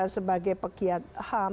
sebagai pegiat ham